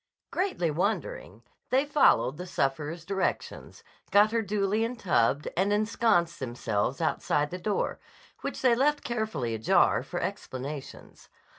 _" Greatly wondering they followed the sufferer's directions, got her duly en tubbed, and ensconced themselves outside the door, which they left carefully ajar for explanations.